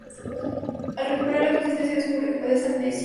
Al recuperar la consciencia, descubre que padece amnesia.